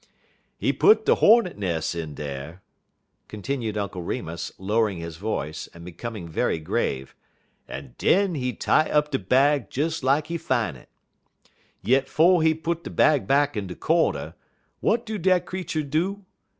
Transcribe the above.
"He put de hornet nes' in dar," continued Uncle Remus, lowering his voice, and becoming very grave, "en den he tie up de bag des lak he fine it. Yit 'fo' he put de bag back in de cornder, w'at do dat creetur do?